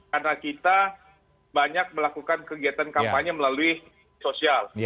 karena kita banyak melakukan kegiatan kampanye melalui sosial